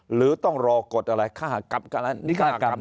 หรือต้องรอกฎอะไรนิฆากรรม